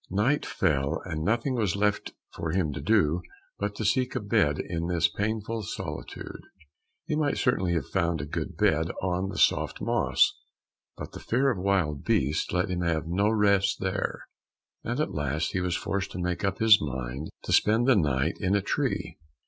Night fell, and nothing was left for him to do, but to seek a bed in this painful solitude. He might certainly have found a good bed on the soft moss, but the fear of wild beasts let him have no rest there, and at last he was forced to make up his mind to spend the night in a tree.